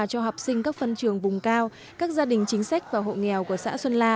cho học sinh các phân trường vùng cao các gia đình chính sách và hộ nghèo của xã xuân la